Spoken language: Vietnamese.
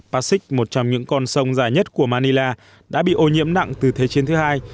pacik một trong những con sông dài nhất của manila đã bị ô nhiễm nặng từ thế chiến thứ hai